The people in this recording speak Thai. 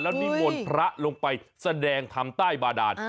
นิมนต์พระลงไปแสดงทำใต้บาดาน